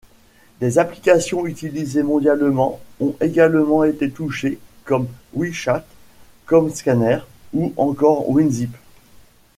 Des applications utilisées mondialement ont également été touchées, comme WeChat, CamScanner ou encore WinZip.